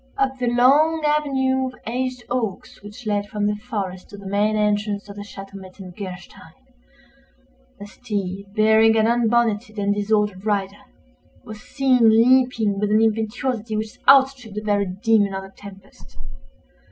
Up the long avenue of aged oaks which led from the forest to the main entrance of the Château Metzengerstein, a steed, bearing an unbonneted and disordered rider, was seen leaping with an impetuosity which outstripped the very Demon of the Tempest.